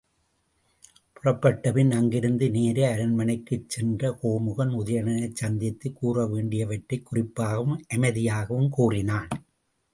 புறப்பட்டபின் அங்கிருந்து நேரே அரண்மனைக்குச் சென்ற கோமுகன், உதயணனைச் சந்தித்துக் கூற வேண்டியவற்றைக் குறிப்பாகவும் அமைதியாகவும் கூறினான்.